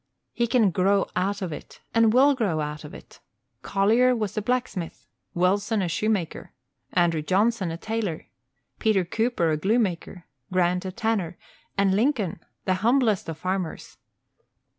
He can grow out of it, and will grow out of it. Collier was a blacksmith, Wilson a shoemaker, Andrew Johnson a tailor, Peter Cooper a glue maker, Grant a tanner, and Lincoln the humblest of farmers.